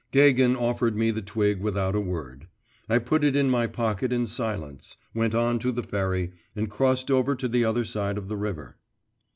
Gagin offered me the twig without a word. I put it in my pocket in silence, went on to the ferry, and crossed over to the other side of the river.